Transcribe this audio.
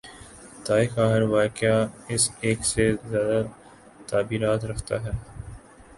تایخ کا ہر واقعہ ایک سے زیادہ تعبیرات رکھتا ہے۔